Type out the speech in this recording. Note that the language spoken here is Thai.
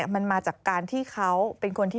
มันมาจากการที่เขาเป็นคนที่